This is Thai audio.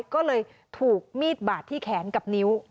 ก็เลยถูกมีดบาดที่แขนกับนิ้ว